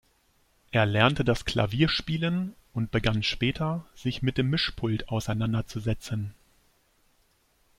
Er lernte das Klavier-Spielen und begann später sich mit dem Mischpult auseinanderzusetzen.